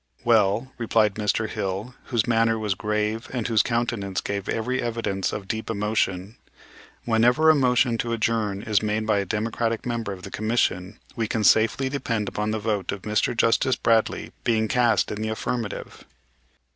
"Well," replied Mr. Hill, whose manner was grave and whose countenance gave every evidence of deep emotion, "whenever a motion to adjourn is made by a Democratic member of the commission we can safely depend upon the vote of Mr. Justice Bradley being cast in the affirmative."